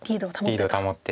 リードを保って。